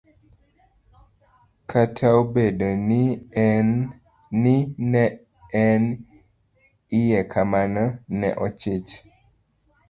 Kataobedo ni ne en iye kamano, ne ochich.